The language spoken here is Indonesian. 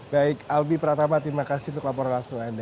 baik albi pratama terima kasih untuk laporan langsung anda